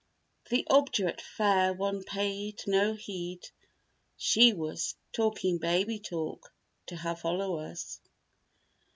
The obdurate fair one paid no heed. She was talking baby talk to her followers.